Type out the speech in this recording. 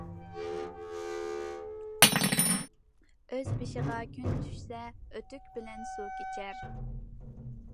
ئۆز بېشىغا كۈن چۈشسە، ئۆتۈك بىلەن سۇ كېچەر.